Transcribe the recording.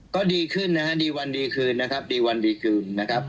ก็ดีขึ้นนะครับดีวันดีคืนนะครับ